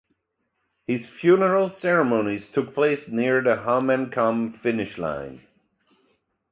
His funeral ceremonies took place near the Hahnenkamm finish line.